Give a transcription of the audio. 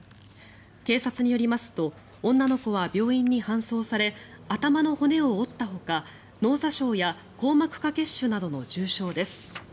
警察によりますと女の子は病院に搬送され頭の骨を折ったほか脳挫傷や硬膜下血腫などの重傷です。